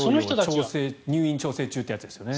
入院調整中というやつですよね。